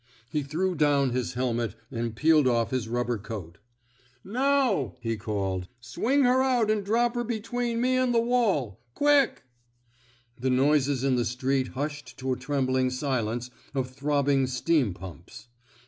He threw down his hehnet and peeled off his rubber coat. Now! he called. Swing her out an' drop her between me an' th' wall. Quick! " The noises in the street hushed to a trembling silence of throbbing steam pumps.